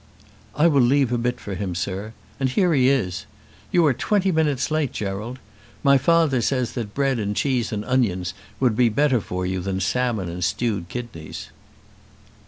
"I will leave a bit for him, sir, and here he is. You are twenty minutes late, Gerald. My father says that bread and cheese and onions would be better for you than salmon and stewed kidneys."